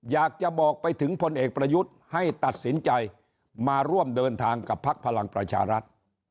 อยากจะบอกไปถึงพลเอกประยุทธ์ให้ตัดสินใจมาร่วมเดินทางกับพักพลังประชารัฐ